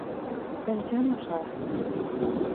Tensión no Sar.